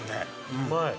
うまい！